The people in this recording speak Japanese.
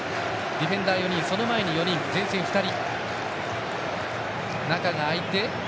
ディフェンダー４人その前に４人前線に２人。